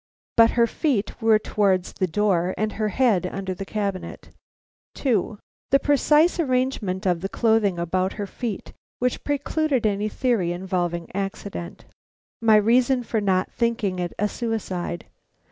But her feet were towards the door and her head under the cabinet. 2. The precise arrangement of the clothing about her feet, which precluded any theory involving accident. _My reason for not thinking it a suicide.